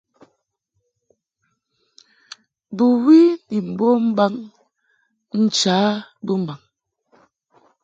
Bɨwi ni mbom mbaŋ ncha bɨmbaŋ.